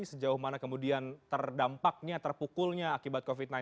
sejauh mana kemudian terdampaknya terpukulnya akibat covid sembilan belas